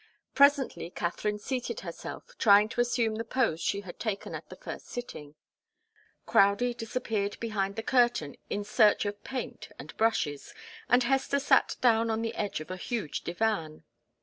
Presently Katharine seated herself, trying to assume the pose she had taken at the first sitting. Crowdie disappeared behind the curtain in search of paint and brushes, and Hester sat down on the edge of a huge divan.